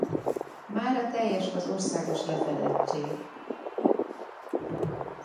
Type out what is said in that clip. Mára teljes az országos lefedettség.